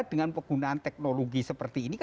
dengan penggunaan teknologi seperti ini